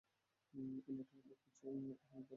ওই নেটওয়ার্কে কিছু পেলে আমাকে জানাবে।